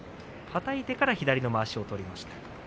はたいてから左のまわしを取りました。